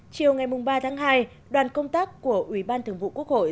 chiều ngày ba tháng hai đoàn công tác của ủy ban thường vụ quốc hội